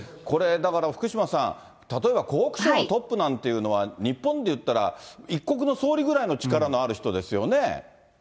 これ、だから福島さん、例えば、湖北省のトップなんていうのは、日本でいったら、一国の総理ぐらいの力のある人ですよね。